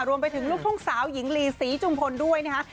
รวมไปถึงลูกทุ่งสาวหญิงลีศรีจุมพลด้วยนะคะ